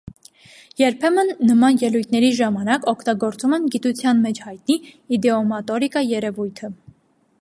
Երբեմն նման ելույթների ժամանակ օգտագործում են գիտության մեջ հայտնի իդեոմատորիկա երևույթը։